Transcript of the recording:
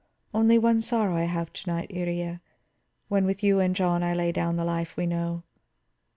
"Only one sorrow I have to night, Iría, when with you and John I lay down the life we know."